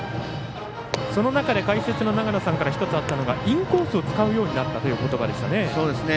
その中で解説の長野さんから１つあったのがインコースを使うようになったというおことばでしたね。